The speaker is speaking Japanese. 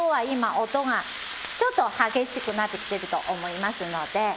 今音がちょっと激しくなってきてると思いますので。